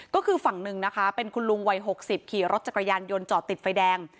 ก็คือฝั่งหนึ่งนะคะเป็นคุณลุงวัย๖๐ขี่รถจักรยานยนต์จอดติดไฟแดง